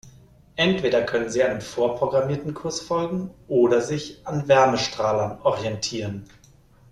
Entweder können sie einem vorprogrammierten Kurs folgen oder sich an Wärmestrahlern orientieren.